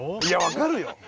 いや分かるよ。